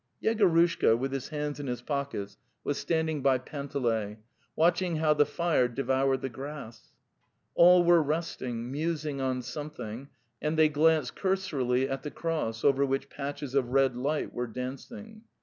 Yegorushka, with his hands in his pockets, was The Steppe 245 standing by Panteley, watching how the fire de voured the grass. All were resting, musing on something, and they glanced cursorily at the cross over which patches of red light were dancing.